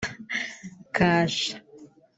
Kasha